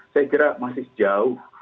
saya kira masih jauh